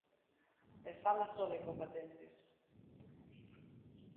E fala só de combatentes.